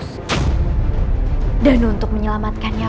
jaga dewa batara